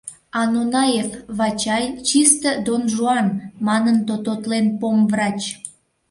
А Нонаев Вачай — чисте Дон-Жуан, — манын тототлен помврач.